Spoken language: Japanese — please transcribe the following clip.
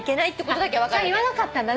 それは言わなかったんだね。